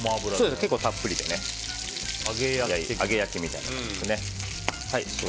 結構たっぷりで揚げ焼きみたいな感じで。